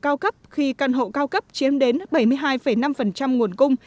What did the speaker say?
cao cấp khi căn hộ cao cấp chiếm đến bảy mươi hai năm nguồn cung